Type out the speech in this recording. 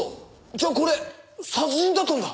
じゃあこれ殺人だったんだ。